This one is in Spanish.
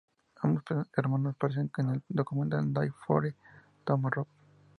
Ambos hermanos aparecen en el documental A Day Before Tomorrow.